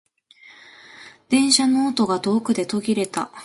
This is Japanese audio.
電車の音が遠くで途切れた。